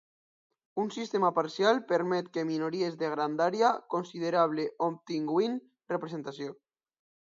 Un sistema parcial permet que minories de grandària considerable obtinguin representació.